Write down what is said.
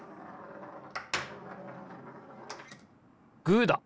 グーだ！